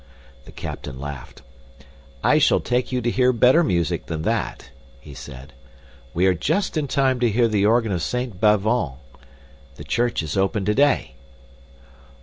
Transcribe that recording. The captain laughed. "I shall take you to hear better music than that," he said. "We are just in time to hear the organ of Saint Bavon. The church is open today."